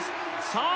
さあ